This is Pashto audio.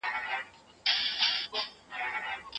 هغه نه پښیمانه شو او نه ستومانه.